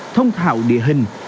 thông thạo địa hình